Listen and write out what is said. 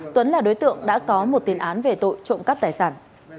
tuấn là đối tượng đã có một tiền án về tội trộm cắp tài sản